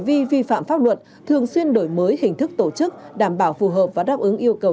vi phạm pháp luật thường xuyên đổi mới hình thức tổ chức đảm bảo phù hợp và đáp ứng yêu cầu